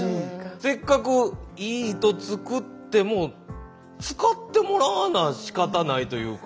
せっかくいい糸作っても使ってもらわなしかたないというか。